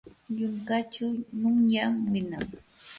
yunkachaw nunyam winan.